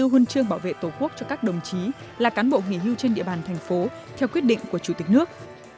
một trăm linh bốn huân chương bảo vệ tổ quốc cho các đồng chí là cán bộ nghỉ hưu trên địa bàn thành phố theo quyết định của chủ tịch nước